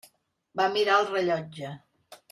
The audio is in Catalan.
Va mirar el rellotge.